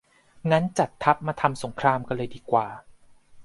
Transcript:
งั้นจัดทัพ มาทำสงครามกันเลยดีกว่า !